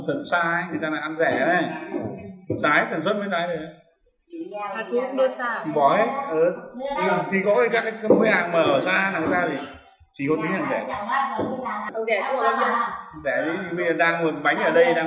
cũng xa vào trăm cây thôi thì người ta ăn rẻ nó không bánh bánh không hiểu sao hả nhưng mình là